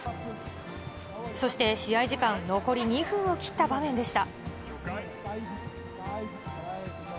そして試合時間残り２分を切った場面でした。